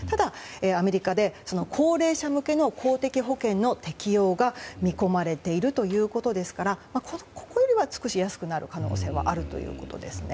アメリカで高齢者向けの公的保険の適用が見込まれているということですからここよりは少し安くなる可能性はあるということです。